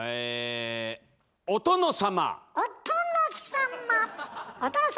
お殿様！